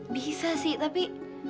bisa sih tapi